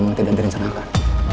memang tidak dirincangkan